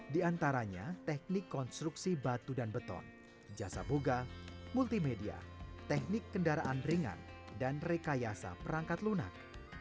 di antaranya teknik konstruksi batu dan beton jasa boga multimedia teknik kendaraan ringan dan rekayasa perangkat lunak